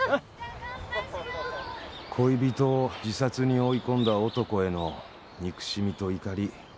恋人を自殺に追い込んだ男への憎しみと怒り。